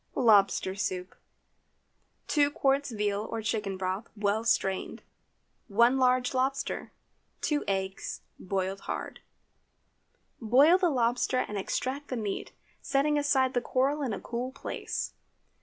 LOBSTER SOUP. 2 qts. veal or chicken broth, well strained. 1 large lobster. 2 eggs—boiled hard. Boil the lobster and extract the meat, setting aside the coral in a cool place.